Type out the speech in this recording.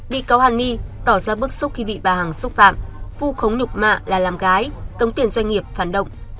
bị cáo hàn ni tỏ ra bức xúc khi bị bà hằng xúc phạm vu khống nục mạ là làm gái tống tiền doanh nghiệp phản động